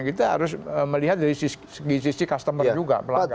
kita harus melihat dari segi sisi customer juga pelanggan